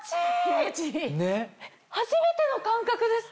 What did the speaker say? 初めての感覚です。